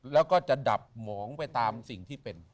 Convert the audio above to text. แล้วก็จะดับหมองไปตามสิ่งที่เป็น